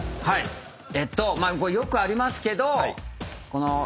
えっとよくありますけど。